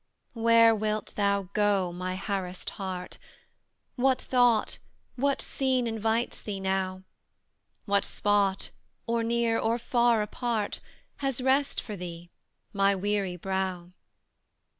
Where wilt thou go, my harassed heart What thought, what scene invites thee now What spot, or near or far apart, Has rest for thee, my weary brow?